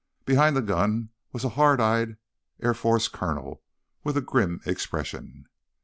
Behind the gun was a hard eyed air force colonel with a grim expression.